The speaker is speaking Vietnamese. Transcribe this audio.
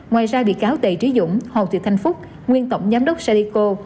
ngoài ra bị cáo tề trí dũng hồ thị thanh phúc nguyên tổng giám đốc salico